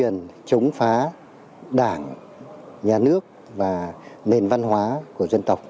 nhà nước và nền văn hóa của dân tộc